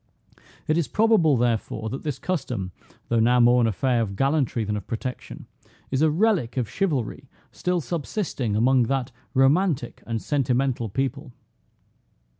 It is probable, therefore, that this custom, though now more an affair of gallantry than of protection, is a relic of chivalry still subsisting among that romantic and sentimental people.